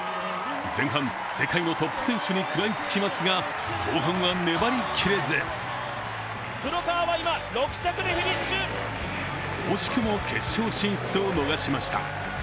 前半、世界のトップ選手に食らいつきますが後半は粘りきれず惜しくも決勝進出を逃しました。